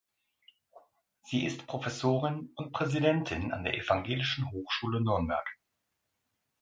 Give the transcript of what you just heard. Sie ist Professorin und Präsidentin an der Evangelischen Hochschule Nürnberg.